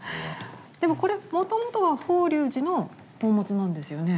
でもこれもともとは法隆寺の宝物なんですよね。